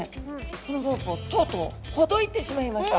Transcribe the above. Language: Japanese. このロープをとうとうほどいてしまいました。